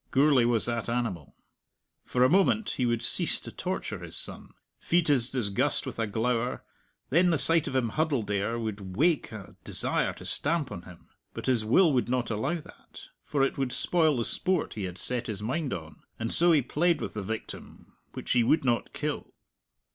Gourlay was that animal. For a moment he would cease to torture his son, feed his disgust with a glower; then the sight of him huddled there would wake a desire to stamp on him; but his will would not allow that, for it would spoil the sport he had set his mind on; and so he played with the victim which he would not kill.